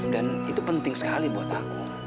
dan itu penting sekali buat aku